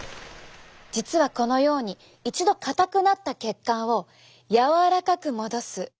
実はこのように一度硬くなった血管を柔らかく戻す。